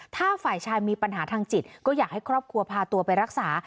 ถ้าฝ่ายชายมีปัญหาทางจิตก็อยากให้ครอบครัวพาตัวไปรักษา